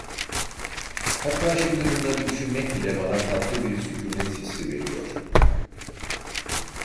Hatta şimdi bunları düşünmek bile bana tatlı bir sükunet hissi veriyor: